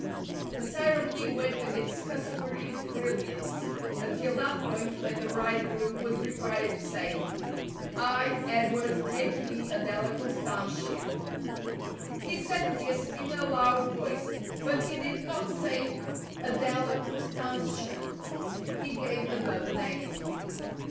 The ceremony went with its customary brilliance until that point when the bridegroom was required to say: "I, Edward, take thee, Adela Constantia." He said this in a loud voice, but he did not say "Adela Constantia"; he gave another name.